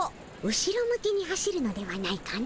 後ろ向きに走るのではないかの？